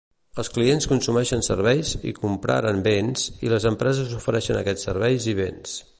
Els clients consumeixen serveis i compraren béns i les empreses ofereixen aquests serveis i béns.